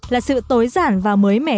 là sự tối giản và mới mẻ